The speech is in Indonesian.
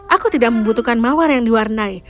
aku tidak membutuhkan mawar yang diwarnai